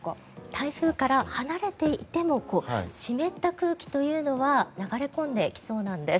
台風から離れていても湿った空気というのは流れ込んできそうなんです。